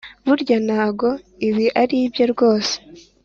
burya ntago ibi aribye rwose